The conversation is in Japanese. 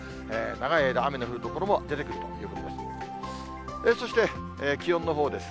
長い間、雨の降る所も出てくる見込みです。